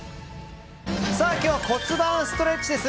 今日は骨盤ストレッチです。